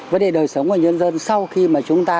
vấn đề đời sống của nhân dân sau khi mà chúng ta